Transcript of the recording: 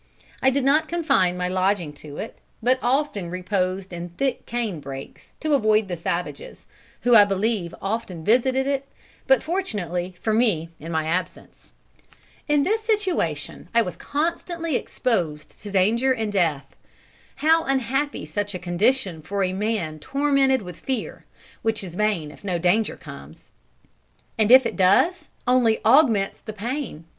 I did not confine my lodging to it, but often reposed in thick cane brakes, to avoid the savages, who I believe often visited it, but, fortunately for me, in my absence. "In this situation I was constantly exposed to danger and death. How unhappy such a condition for a man tormented with fear, which is vain if no danger comes; and if it does, only augments the pain!